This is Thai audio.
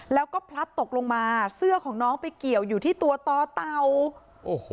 แล้วก็พลัดตกลงมาเสื้อของน้องไปเกี่ยวอยู่ที่ตัวต่อเต่าโอ้โห